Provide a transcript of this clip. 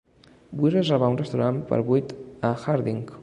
Vull reservar un restaurant per vuit a Harding.